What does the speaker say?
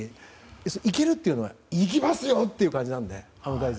そのいけるというのは行きますよ！という感じなので。